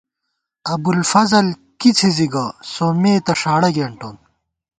ابُوالفضل کی څِھزِی گہ ، سومّے تہ ݭاڑہ گېنٹون